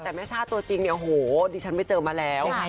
แต่แม่ช่าตัวจริงเนี่ยโหดิฉันไปเจอมาแล้ว